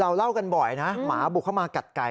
เล่ากันบ่อยนะหมาบุกเข้ามากัดไก่